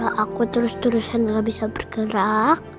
ya aku terus terusan gak bisa bergerak